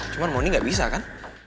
cuman mau ini gak bisa kan